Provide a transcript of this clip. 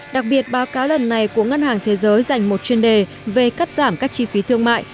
đặc biệt báo cáo lần này của ngân hàng thế giới dành một chuyên đề về cắt giảm các chi phí thương mại